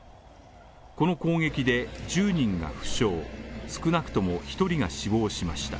この攻撃で１０人が負傷少なくとも１人が死亡しました。